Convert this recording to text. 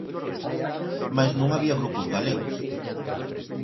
Mais non había grupos galegos.